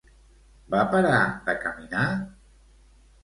Va parar de caminar?